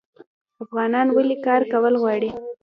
افغانان ولې کار کول غواړي؟